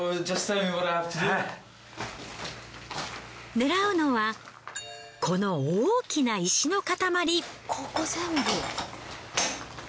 狙うのはこの大きな石の塊。